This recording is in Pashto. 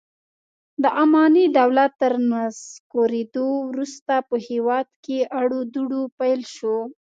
د اماني دولت تر نسکورېدو وروسته په هېواد کې اړو دوړ پیل شو.